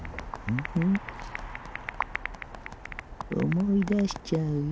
思い出しちゃうよ。